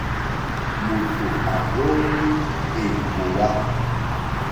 Mòtò à rzóŋwí èŋɡòwá.